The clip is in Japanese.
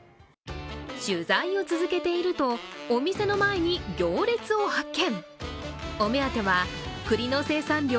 取材を続けているとお店の前に行列を発見。